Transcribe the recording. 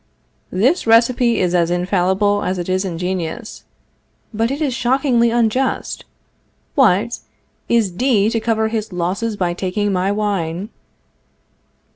This recipe is as infallible as it is ingenious. But it is shockingly unjust. What! is D to cover his losses by taking my wine?